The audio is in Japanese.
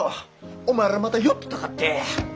お前らまた寄ってたかって。